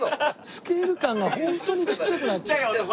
スケール感がホントにちっちゃくなっちゃった。